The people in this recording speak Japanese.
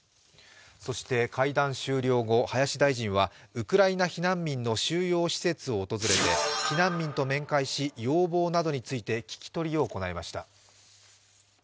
そして、会談終了後、林大臣はウクライナ避難民の収容施設を訪れて避難民と面会し、要望などについて聞き取りを行いました。